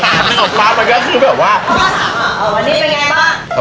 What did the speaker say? พ่อถามอ่ะวันนี้เป็นไงป่ะ